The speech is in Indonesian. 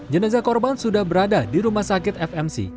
jenazah korban sudah berada di rumah sakit fmc